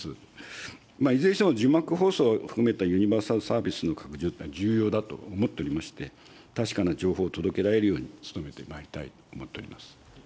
いずれにしても、字幕放送を含めたユニバーサル・サービスの拡充というのは重要だと思っておりまして、確かな情報を届けられるように努めてまいりたいと思っております。